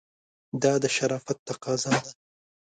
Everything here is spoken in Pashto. دا د شرافت تقاضا ده.